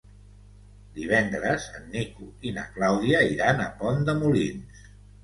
Divendres en Nico i na Clàudia iran a Pont de Molins.